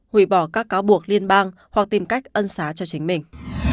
hủy bỏ các cáo buộc liên bang hoặc tìm cách ân xá cho chính mình